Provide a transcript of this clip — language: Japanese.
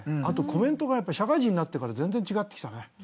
あとコメントが社会人になってから全然違ってきたね。